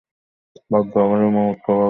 ভাগ্য আবারও মুক্তভাবে প্রবাহিত হচ্ছে।